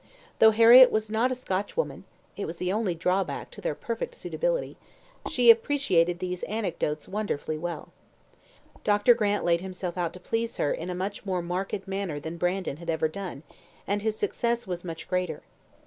Though Harriett was not a Scotchwoman (it was the only drawback to their perfect suitability), she appreciated these anecdotes wonderfully well. Dr. Grant laid himself out to please her in a much more marked manner than Brandon had ever done, and his success was much greater.